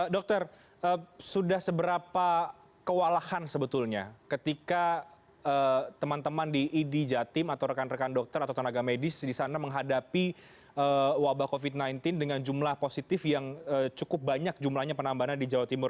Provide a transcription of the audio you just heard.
dokter sudah seberapa kewalahan sebetulnya ketika teman teman di idi jatim atau rekan rekan dokter atau tenaga medis di sana menghadapi wabah covid sembilan belas dengan jumlah positif yang cukup banyak jumlahnya penambahannya di jawa timur